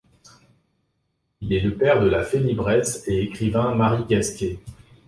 Il est le père de la félibresse et écrivain Marie Gasquet.